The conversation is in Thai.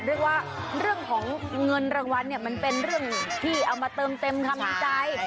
เรียกว่าเรื่องของเงินรางวัลมันเป็นเรื่องที่เอามาเติมเต็มคำนึงใจ